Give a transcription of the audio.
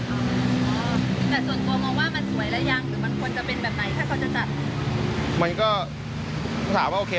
แต่ส่วนตัวมองว่ามันสวยแล้วยังหรือมันควรจะเป็นแบบไหนถ้าเขาจะจัด